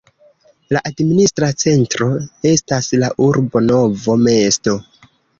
La administra centro estas la urbo Novo mesto.